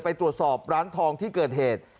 ไปตรวจสอบร้านทองที่เกิดเหตุ